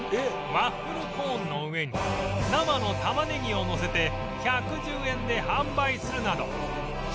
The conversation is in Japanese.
ワッフルコーンの上に生のたまねぎをのせて１１０円で販売するなど